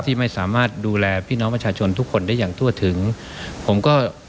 ที่ไม่สามารถดูแลพี่น้องประชาชนทุกคนได้อย่างทั่วถึงผมก็